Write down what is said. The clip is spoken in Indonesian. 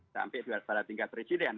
sampai pada tingkat presiden